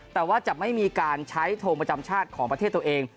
แต่ว่าจะไม่มีการใช้ทงประจำชาติของประเทศตัวเอง